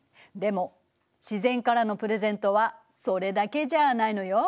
でも自然からのプレゼントはそれだけじゃないのよ。